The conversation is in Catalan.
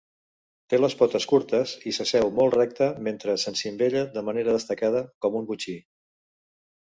Té les potes curtes i s'asseu molt recte mentre s'encimbella de manera destacada, com un botxí.